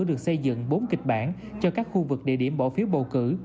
được xây dựng bốn kịch bản cho các khu vực địa điểm bỏ phiếu bầu cử